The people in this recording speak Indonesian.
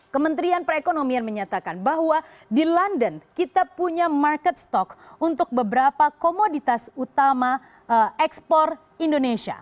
kementerian perekonomian menyatakan bahwa di london kita punya market stock untuk beberapa komoditas utama ekspor indonesia